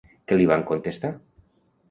Què li van contestar?